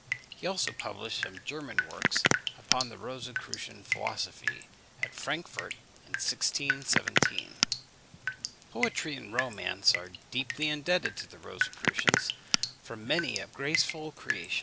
He also published some German works upon the Rosicrucian philosophy, at Frankfort, in 1617. Poetry and romance are deeply indebted to the Rosicrucians for many a graceful creation.